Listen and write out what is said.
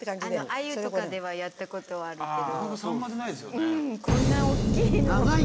あゆとかではやったことあるけど。